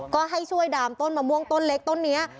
ก็ให้ช่วยดามต้นมะม่วงต้นเล็กต้นนี้